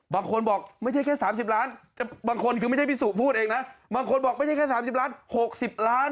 บางคนบอกไม่ใช่แค่๓๐ล้าน